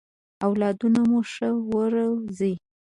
اولادونه مو ښه ورزوی!